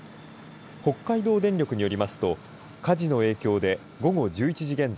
北海道電力によりますと火事の影響で午後１１時現在